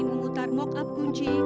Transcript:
mengutar mock up kunci